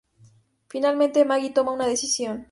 Finalmente, Maggie toma una decisión.